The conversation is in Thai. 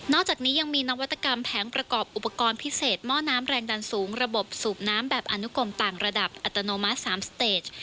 อกจากนี้ยังมีนวัตกรรมแผงประกอบอุปกรณ์พิเศษหม้อน้ำแรงดันสูงระบบสูบน้ำแบบอนุกลมต่างระดับอัตโนมัติ๓สเตจ